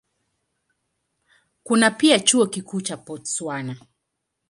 Kuna pia Chuo Kikuu cha Botswana.